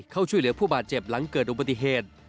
เข้าช่วยเหลือผู้บาดเจ็บหลังเกิดอุบัติเหตุ